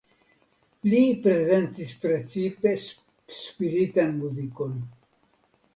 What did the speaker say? Li prezentis precipe spiritan muzikon.